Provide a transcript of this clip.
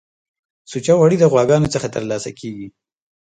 سوچه غوړی د غواګانو څخه ترلاسه کیږی